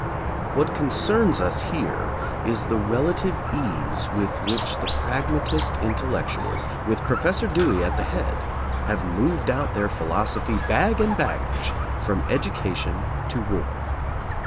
What concerns us here is the rel ative ease with which the pragmatist intellectuals, with Professor Dewey at the head, have moved out their philosophy, bag and baggage, from education to war.